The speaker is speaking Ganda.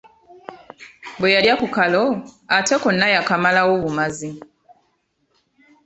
Bwe yalya ku kalo ate konna yakamalawo bumazi.